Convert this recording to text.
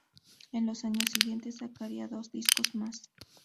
En los años siguientes sacaría dos discos más.